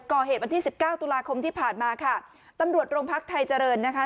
วันที่สิบเก้าตุลาคมที่ผ่านมาค่ะตำรวจโรงพักไทยเจริญนะคะ